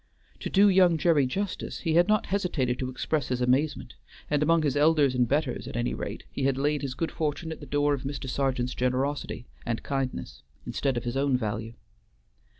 To do young Gerry justice, he had not hesitated to express his amazement; and among his elders and betters, at any rate, he had laid his good fortune at the door of Mr. Sergeant's generosity and kindness instead of his own value.